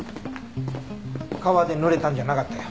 川でぬれたんじゃなかったよ。